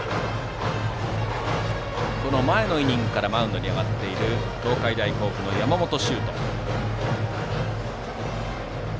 この前のイニングからマウンドに上がっている東海大甲府ピッチャーは山本翔斗。